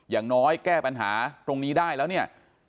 อย่างน้อยแก้ปัญหาตรงนี้ได้แล้วเนี่ย